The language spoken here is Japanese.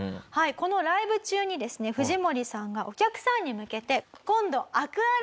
このライブ中にですね藤森さんがお客さんに向けて。